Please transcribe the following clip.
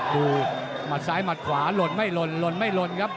หมัดซ้ายหมัดขวาหล่นไม่หล่นหล่นไม่หล่นครับ